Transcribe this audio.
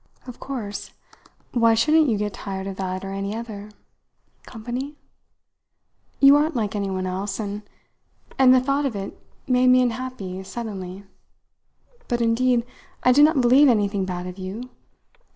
"Of course, why shouldn't you get tired of that or any other company? You aren't like anyone else, and and the thought of it made me unhappy suddenly; but indeed, I did not believe anything bad of you.